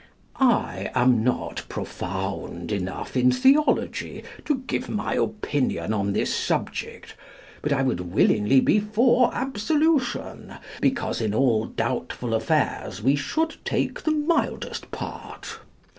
I am not profound enough in theology to give my opinion on this subject; but I would willingly be for absolution, because in all doubtful affairs we should take the mildest part.